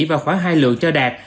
và khoảng hai lượng cho đạt